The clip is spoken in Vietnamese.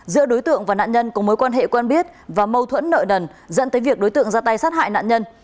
giữa đối tượng và nạn nhân có mối quan hệ quen biết và mâu thuẫn nợ nần dẫn tới việc đối tượng ra tay sát hại nạn nhân